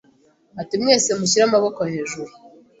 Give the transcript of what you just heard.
ati mwese mushyire amaboko hejuru